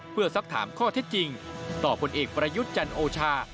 เพื่อสักถามข้อเท็จจริงต่อผลเอกประยุทธ์จันโอชา